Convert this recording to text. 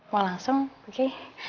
mau langsung oke